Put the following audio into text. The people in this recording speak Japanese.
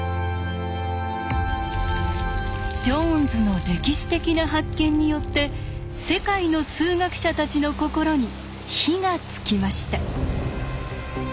ジョーンズの歴史的な発見によって世界の数学者たちの心に火がつきました。